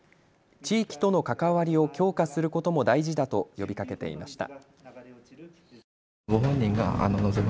地域との関わりを強化することも大事だと呼びかけていました。